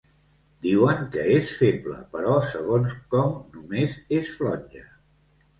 Diuen que és feble, però segons com només és flonja.